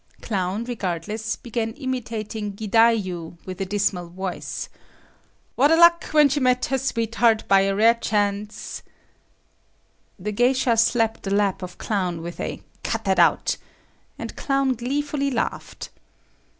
Clown, regardless, began imitating "gidayu" with a dismal voice,—"What a luck, when she met her sweet heart by a rare chance…." The geisha slapped the lap of Clown with a "Cut that out," and Clown gleefully laughed.